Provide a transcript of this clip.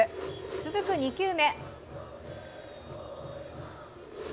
続く２球目。